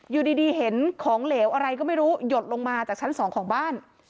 อยู่ดีเห็นของเหลวอะไรก็ไม่รู้หยดลงมาจากชั้นสองของบ้าน